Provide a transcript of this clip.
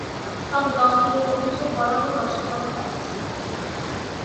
তবে দলটি এ অভিযোগ বরাবরই অস্বীকার করে আসছে।